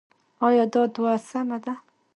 ایا دا دوا سمه ده؟